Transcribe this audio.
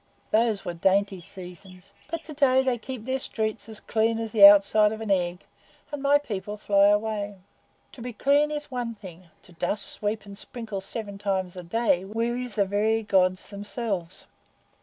Those wore dainty seasons. But to day they keep their streets as clean as the outside of an egg, and my people fly away. To be clean is one thing; to dust, sweep, and sprinkle seven times a day wearies the very Gods themselves."